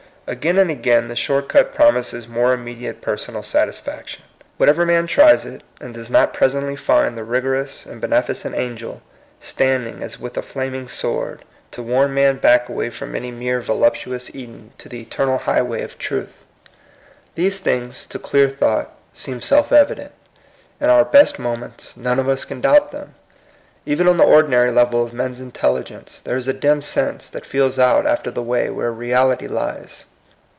Again and again the short cut promises more immediate personal satis faction. What man ever tries it, and does not presently find the rigorous and benefi cent angel standing as with a flaming sword to warn man back from any mere volup 94 THE COMING PEOPLE. tuous Eden to the eternal highway of truth? These things, to clear thought, seem self eyident. In our best moments none of us can doubt them. Even on the ordinary level of men's intelligence, there is a dim sense that feels out after the way where reality lies.